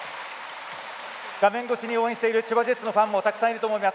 画面越しに応援している千葉ジェッツのファンもたくさんいると思います。